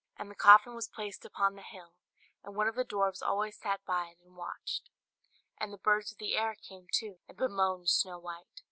And the coffin was placed upon the hill, and one of the dwarfs always sat by it and watched. And the birds of the air came too, and bemoaned Snow White.